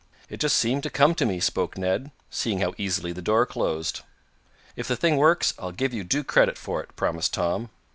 "It just seemed to come to me," spoke Ned, "seeing how easily the door closed." "If the thing works I'll give you due credit for it," promised Tom.